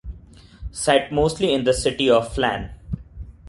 Set mostly in the city of Phlan.